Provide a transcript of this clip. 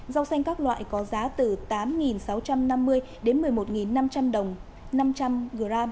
rau xanh các loại có giá từ tám sáu trăm năm mươi đến một mươi một năm trăm linh đồng năm trăm linh g